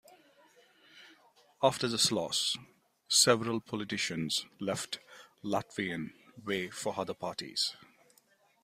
After this loss, several politicians left Latvian Way for other parties.